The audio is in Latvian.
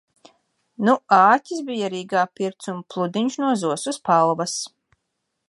Nu āķis bija Rīgā pirkts un pludiņš no zosu spalvas.